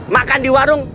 makan di warung